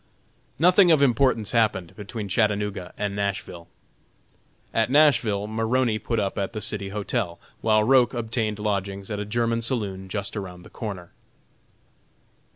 Nothing of importance happened between Chattanooga and Nashville. At Nashville Maroney put up at the City Hotel, while Roch obtained lodgings at a German saloon just around the corner.